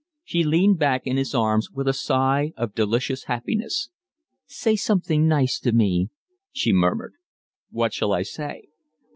She leaned back in his arms with a sigh of delicious happiness. "Say something nice to me," she murmured. "What shall I say?"